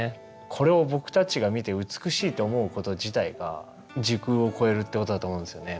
これを僕たちが見て美しいと思うこと自体が時空を超えるってことだと思うんですよね。